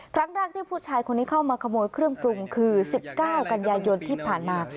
ครั้งแรกที่ผู้ชายคนนี้เข้ามาขโมยเครื่องปรุงคือ๑๙กันยายนที่ผ่านมา